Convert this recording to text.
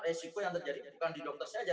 resiko yang terjadi bukan di dokter saja